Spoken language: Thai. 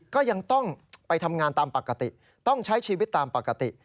ก็ยังต้องไปทำงานตามปกติต้องใช้ชีวิตตามปกติ